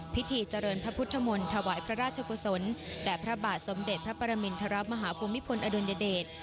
พิธีเจริญพระพุทธมนตร์ถวายพระราชกุศลแด่พระบาทสมเด็จพระปรมินทรมาฮภูมิพลอดุลยเดช